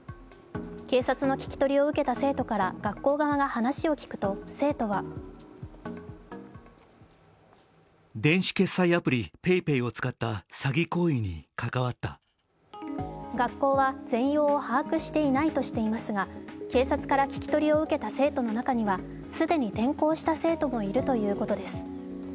警察の聞き取りを受けた生徒から学校側が話を聞くと、生徒は学校は、全容を把握していないとしていますが警察から聞き取りを受けた生徒の中には既に転校した生徒もいるということです。